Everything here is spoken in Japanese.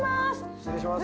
失礼します。